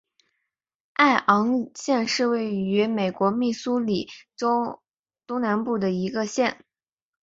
艾昂县是位于美国密苏里州东南部的一个县。